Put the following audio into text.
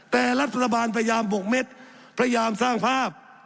แต่รัฐบาลพยายามบกเม็ดพยายามสร้างภาพ